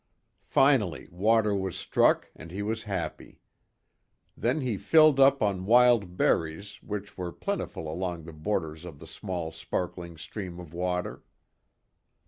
Finally water was struck and he was happy. Then he filled up on wild berries, which were plentiful along the borders of the small sparkling stream of water.